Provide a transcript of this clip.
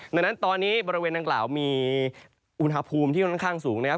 ดังนั้นตอนนี้บริเวณดังกล่าวมีอุณหภูมิที่ค่อนข้างสูงนะครับ